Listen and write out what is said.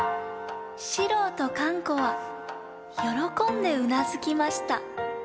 四郎とかん子はよろこんでうなずきました。